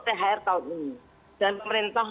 thr tahun ini dan pemerintah